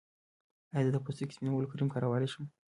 ایا زه د پوستکي سپینولو کریم کارولی شم؟